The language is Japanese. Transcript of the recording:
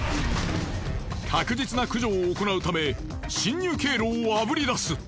確実な駆除を行うため侵入経路をあぶりだす。